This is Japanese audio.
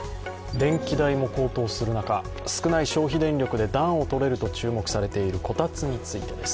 電気代も高騰する中、少ない消費電力で暖をとれると注目されているこたつについてです。